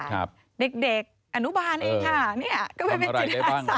เด็กอนุบาลเองค่ะ